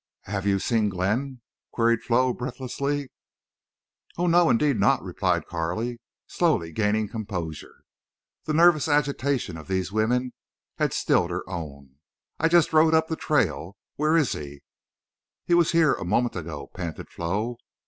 "Have you—seen Glenn?" queried Flo, breathlessly. "Oh no, indeed not," replied Carley, slowly gaining composure. The nervous agitation of these women had stilled her own. "I just rode up the trail. Where is he?" "He was here—a moment ago," panted Flo.